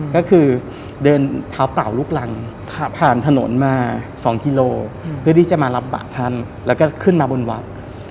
ก็คือเดินเท้าเปล่าลูกรังผ่านถนนมา๒กิโลเพื่อที่จะมารับบาทท่านแล้วก็ขึ้นมาบนวัด